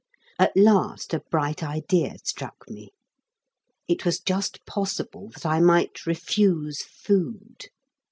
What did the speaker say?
At last a bright idea struck me. It was just possible that I might refuse food.